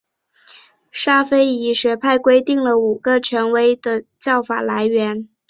沙斐仪学派规定了五个权威的教法来源。